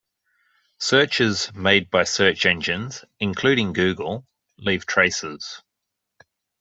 Searches made by search engines, including Google, leave traces.